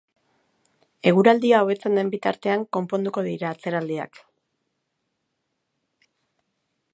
Eguraldia hobetzen den bitartean konponduko dira atzeraldiak.